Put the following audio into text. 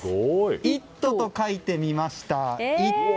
「イット！」と描いてみました。